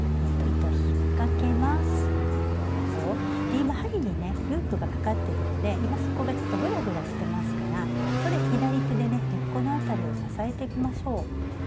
で今針にねループがかかってるので今そこがちょっとグラグラしてますからそうです左手でね根っこの辺りを支えてみましょう。